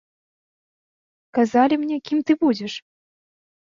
Казалі мне, кім ты будзеш?